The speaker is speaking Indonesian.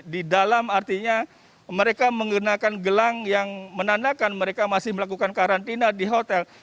di dalam artinya mereka menggunakan gelang yang menandakan mereka masih melakukan karantina di hotel